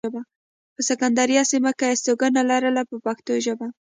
په سکندریه سیمه کې یې استوګنه لرله په پښتو ژبه.